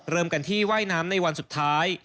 เริ่มกันที่ว่ายน้ำในวันสุดท้าย